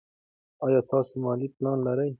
ایا تاسو مالي پلان لرئ.